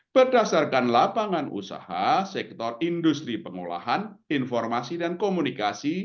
berdasarkan lapangan usaha sektor industri pengolahan informasi dan komunikasi